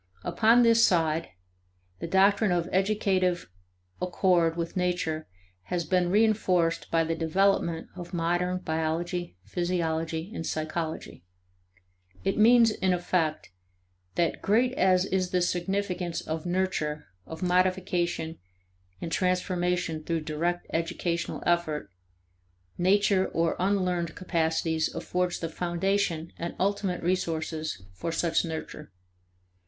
Upon this side, the doctrine of educative accord with nature has been reinforced by the development of modern biology, physiology, and psychology. It means, in effect, that great as is the significance of nurture, of modification, and transformation through direct educational effort, nature, or unlearned capacities, affords the foundation and ultimate resources for such nurture.